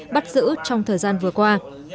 bắt giữ trong thời gian vừa qua